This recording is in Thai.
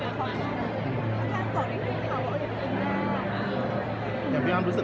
เราก็บอกว่าเรามีคนจึง